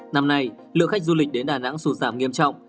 năm nay lượng khách du lịch đến đà nẵng sụt giảm nghiêm trọng